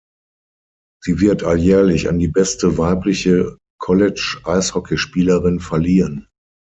Sie wird alljährlich an die beste weibliche College-Eishockeyspielerin verliehen.